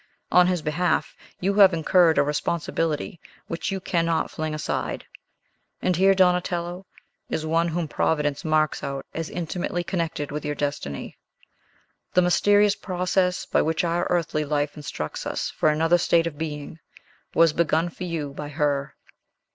On his behalf, you have incurred a responsibility which you cannot fling aside. And here, Donatello, is one whom Providence marks out as intimately connected with your destiny. The mysterious process, by which our earthly life instructs us for another state of being, was begun for you by her.